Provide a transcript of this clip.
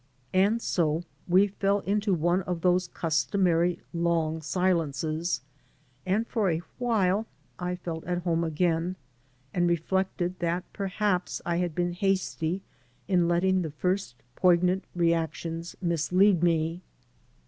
And so we fell into one of those customary long silences, and for a while I felt at home again, and reflected that perhaps I had been hasty in letting the first poignant reactions mislead me.